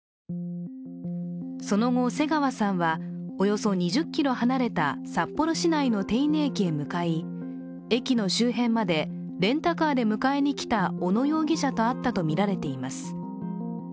その後、瀬川さんはおよそ２０ｋｍ離れた札幌市内の手稲駅へ向かい駅の周辺までレンタカーで迎えに来た小野容疑者と会ったとみられています。